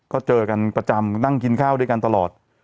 ก็เจอกันประจำนั่งกินข้าวด้วยกันตลอด